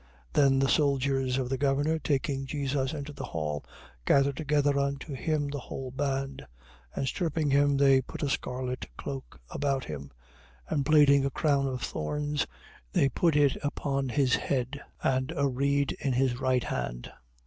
27:27. Then the soldiers of the governor, taking Jesus into the hall, gathered together unto him the whole band. 27:28. And stripping him, they put a scarlet cloak about him. 27:29. And platting a crown of thorns, they put it upon his head, and a reed in his right hand.